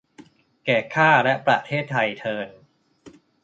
แก่ข้าและประเทศไทยเทอญ